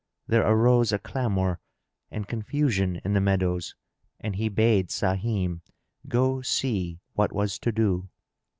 there arose a clamour and confusion in the meadows, and he bade Sahim go see what was to do.